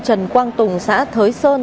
trần quang tùng xã thới sơn